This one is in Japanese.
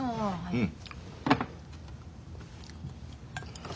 うん。